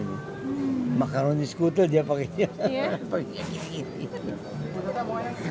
ini makaroni skutel dia pakenya